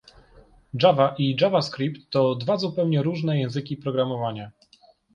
Java i JavaScript to dwa zupełnie różne języki programowania.